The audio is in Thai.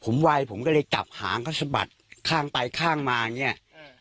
ผมไวผมก็เลยจับหางเขาสะบัดข้างไปข้างมาอย่างเงี้ย